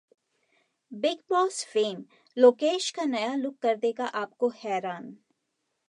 'big boss' fame Lokesh का नया look कर देगा आपको हैरान